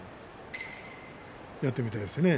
やってみたいですね。